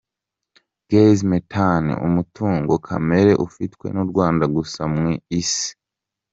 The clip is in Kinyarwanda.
Gaz methane, umutungo kamere ufitwe n’ u Rwanda gusa mu Isi.